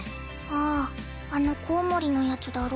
あああのコウモリのやつだろ？